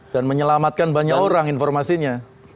dan menyelamatkan banyak orang informasinya